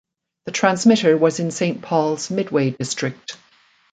The transmitter was in Saint Paul's Midway district.